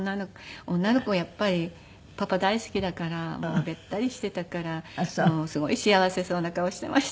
女の子はやっぱりパパ大好きだからもうベッタリしていたからもうすごい幸せそうな顔していました。